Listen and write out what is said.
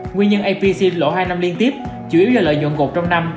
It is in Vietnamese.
nguyên nhân apc lộ hai năm liên tiếp chủ yếu là lợi nhuận gột trong năm